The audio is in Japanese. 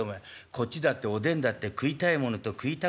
こっちだっておでんだって食いたいものと食いたくないものあんだ。